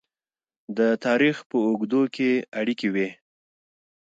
د تاریخ په اوږدو کې اړیکې وې.